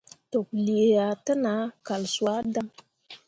Toklǝǝah te nah kal suah dan.